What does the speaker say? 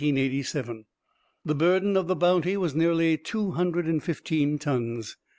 The burden of the Bounty was nearly two hundred and fifteen tons.